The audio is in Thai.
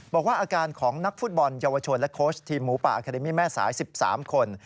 บอกว่าอาการของนักฟุตบอลเยาวชนและโค้ชทีมหมูป่าอาคาเดมี่แม่สาย๑๓คน